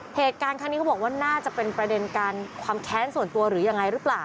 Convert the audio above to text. เหตุการณ์ครั้งนี้เขาบอกว่าน่าจะเป็นประเด็นการความแค้นส่วนตัวหรือยังไงหรือเปล่า